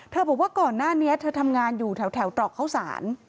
บอกว่าก่อนหน้านี้เธอทำงานอยู่แถวตรอกเข้าสาร